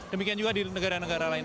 demikian juga di negara negara lain